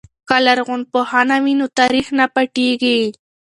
که لرغونپوهنه وي نو تاریخ نه پټیږي.